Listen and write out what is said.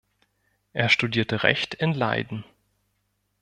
Er studierte Recht in Leiden.